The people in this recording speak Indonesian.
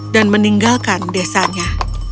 dan meninggalkan desanya